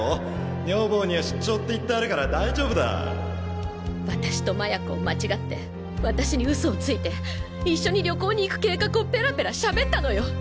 女房には出張って言ってあ私と麻也子を間違って私にウソをついて一緒に旅行に行く計画をペラペラしゃべったのよ。